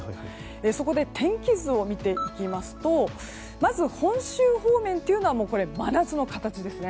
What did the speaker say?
そこで天気図を見ていきますとまず、本州方面は真夏の形ですね。